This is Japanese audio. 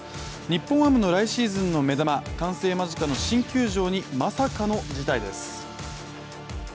日本ハムの来シーズンの目玉、完成間近の新球場にまさかの事態です。